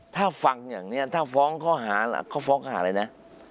ถ้าฟังอย่างเนี่ยถ้าฟ้องเขาฟ้องเขาหาอะไรนะ